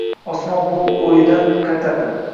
Osmon bu o‘yidan qaytardi.